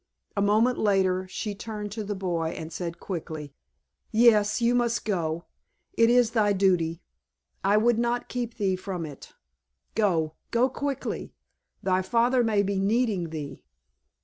A moment later she turned to the boy and said quickly, "Yes, you must go. It is thy duty—I would not keep thee from it. Go—go quickly! Thy father may be needing thee!"